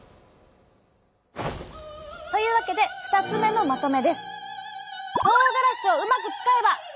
というわけで２つ目のまとめです！